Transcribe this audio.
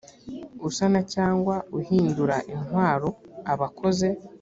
usana cyangwa uhindura intwaro aba akoze